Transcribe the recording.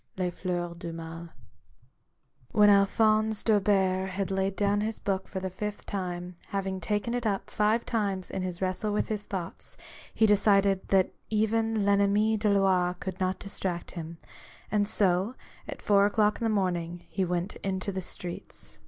— Les Flairs du Mai. When Alphonse D'Aubert had laid down his book for the fifth time, having taken it up five times in his wrestle with his thoughts, he decided that even VEnmmi des Lois could not distract him, and so, at four o'clock in the morning, he went into the streets.